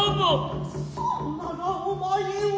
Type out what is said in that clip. そんならお前は。